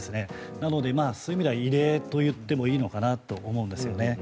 なので、そういう意味では異例といってもいいと思うんですよね。